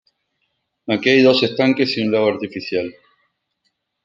Aquí hay dos estanques y un lago artificial.